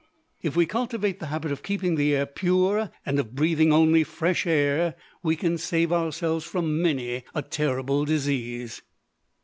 If we cultivate the habit of keeping the air pure and of breathing only fresh air, we can save ourselves from many a terrible disease.